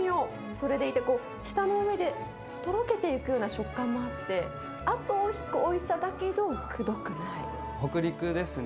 それでいてこう、舌の上でとろけていくような食感もあって、後を引くおいしさだけど、くどく北陸ですね。